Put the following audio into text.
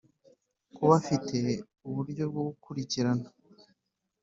Kuba afite uburyo bwo gukurikirana